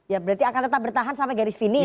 ya berarti akan tetap bertahan sampai garis finish